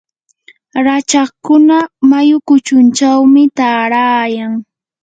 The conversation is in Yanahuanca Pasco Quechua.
rachakkuna mayu kuchunchawmi taarayan.